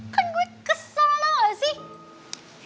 kan gue kesel banget nggak sih